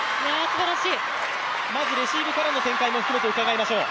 まずレシーブからの展開も含めて伺いましょう。